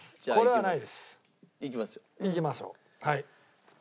はい。